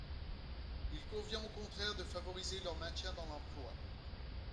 Il convient au contraire de favoriser leur maintien dans l’emploi.